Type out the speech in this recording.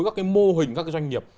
các cái mô hình các cái doanh nghiệp